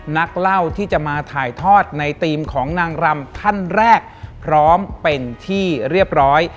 นักเล่าที่จะมาถ่ายทอดในธีมของนางรำท่านแรกพร้อมเป็นที่เรียบร้อย